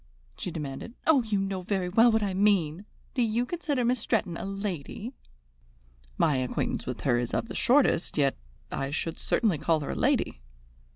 she demanded. "Oh, you know very well what I mean. Do you consider Miss Stretton a lady?" "My acquaintance with her is of the shortest, yet I should certainly call her a lady."